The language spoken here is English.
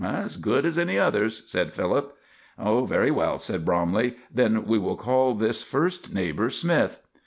"As good as any others," said Philip. "Very well," said Bromley, "then we will call this first neighbor 'Smith.'"